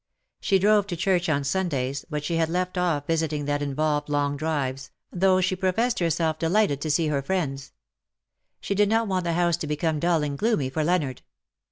She drove to church on Sundays, but she had left off visiting that involved long drives^ though she 107 professed herself delighted to see her friends. She did not want the house to become dull and gloomy for Leonard.